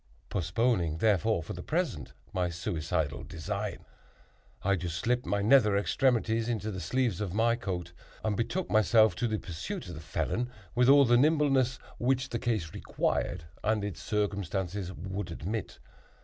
Postponing, therefore, for the present, my suicidal design, I just slipped my nether extremities into the sleeves of my coat, and betook myself to a pursuit of the felon with all the nimbleness which the case required and its circumstances would admit.